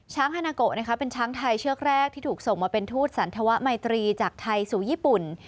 ฮานาโกะนะคะเป็นช้างไทยเชือกแรกที่ถูกส่งมาเป็นทูตสันธวะไมตรีจากไทยสู่ญี่ปุ่น